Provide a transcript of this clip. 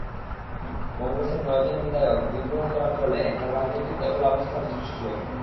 কংগ্রেসের নয়জন বিধায়ক বিদ্রোহ করার ফলে এখানে রাজনৈতিক অচলাবস্থার সৃষ্টি হয়।